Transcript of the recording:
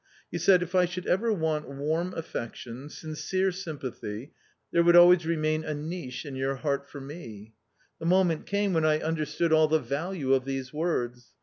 You said, ' If I should ever want warm affection, sincere sympathy, there would always remain a niche in your heart for me.' A COMMON STORY 261 The moment came when I understood all the value of these words.